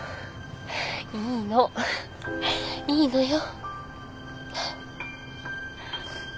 いいの。いいのよ。